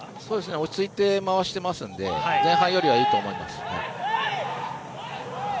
落ち着いて回していますので前半よりはいいと思います。